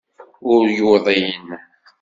Ur yuḍin.